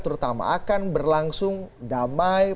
terutama akan berlangsung damai